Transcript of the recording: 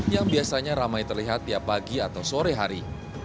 yang biasanya ramai terlihat tiap pagi atau sore hari